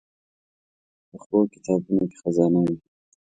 پخو کتابونو کې خزانه وي